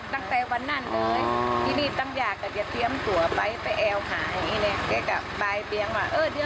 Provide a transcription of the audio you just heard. ตั้งแต่วันนั้นเลยที่นี่ตั้งอย่าก็จะเตียมตัวไปไปแอวหาไอ้เนี่ย